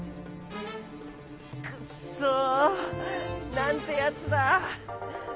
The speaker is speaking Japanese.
くっそなんてやつだ。